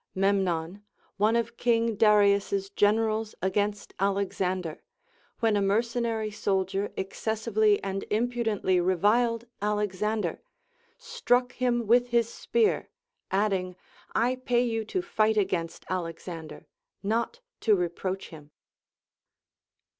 Memnon, one of King Darius's generals against Alexander, when a mercenary soldier excessively and im pndently reviled Alexander, struck him with his spear, adding, I pay you to fight against Alexander, not to re proach him.